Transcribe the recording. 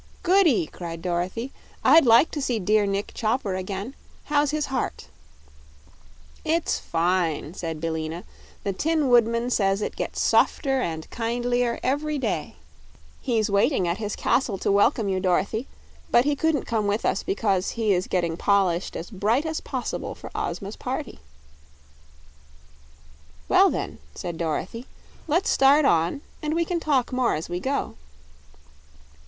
"Goody!" cried Dorothy. "I'd like to see dear Nick Chopper again. How's his heart?" "It's fine," said Billina; "the Tin Woodman says it gets softer and kindlier every day. He's waiting at his castle to welcome you, Dorothy; but he couldn't come with us because he's getting polished as bright as possible for Ozma's party." "Well then," said Dorothy, "let's start on, and we can talk more as we go."